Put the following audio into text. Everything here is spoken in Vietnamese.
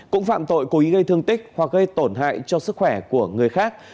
cũng phạm tội cố ý gây thương tích hoặc gây tổn hại cho sức khỏe của người khác